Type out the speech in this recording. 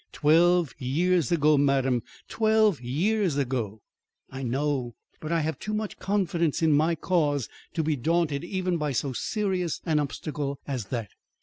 "Twelve years ago, madam; twelve years ago." "I know; but I have too much confidence in my cause to be daunted even by so serious an obstacle as that.